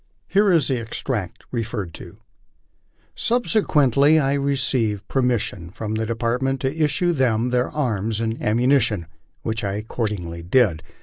Here is the extract referred to: " Subsequently I received permission from the Department to issue to them their arms and ammunition, which I accord ingly did.